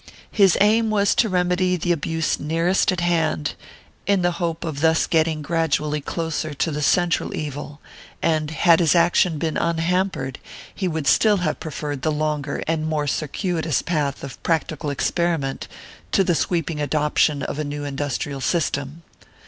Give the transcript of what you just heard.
His aim was to remedy the abuse nearest at hand, in the hope of thus getting gradually closer to the central evil; and, had his action been unhampered, he would still have preferred the longer and more circuitous path of practical experiment to the sweeping adoption of a new industrial system.